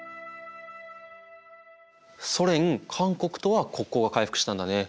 ソ連韓国とは国交が回復したんだね。